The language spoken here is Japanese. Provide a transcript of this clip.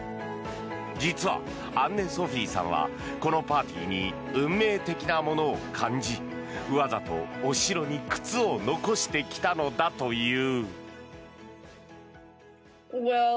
実は、アンネ・ソフィーさんはこのパーティーに運命的なものを感じわざとお城に靴を残してきたのだという。